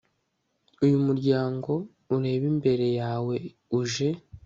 uyu muryango ureba imbere yawe, uje